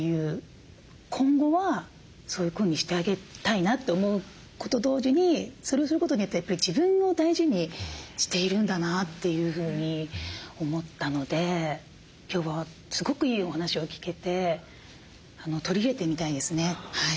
今後はそういうふうにしてあげたいなと思うことと同時にそれをすることによってやっぱり自分を大事にしているんだなというふうに思ったので今日はすごくいいお話を聞けて取り入れてみたいですね。